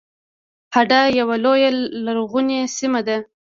هډه یوه لویه لرغونې سیمه ده